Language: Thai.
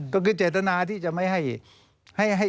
ก็คือเจตนาที่จะไม่ให้